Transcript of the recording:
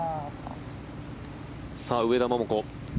さあ、上田桃子。